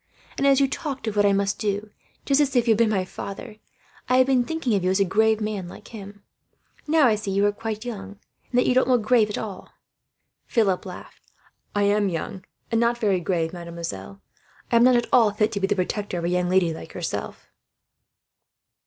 And as you talked of what I must do, just as if you had been my father, I have been thinking of you as a grave man, like him. Now I see you are quite young, and that you don't look grave at all." Philip laughed. "I am young, and not very grave, mademoiselle. I am not at all fit to be the protector of a young lady like yourself."